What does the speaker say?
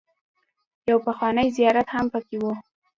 يو پخوانی زيارت هم پکې و.